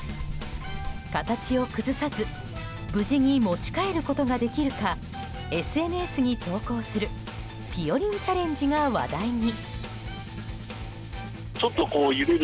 形を崩さず無事に持ち帰ることができるかＳＮＳに投稿する「＃ぴよりんチャレンジ」が話題に。